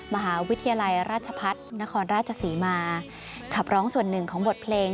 มหาวิทยาลัยราชพัฒนครราชศรีมาขับร้องส่วนหนึ่งของบทเพลง